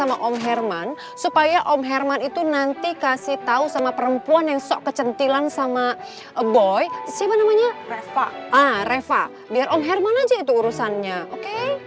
ah reva biar om herman aja itu urusannya oke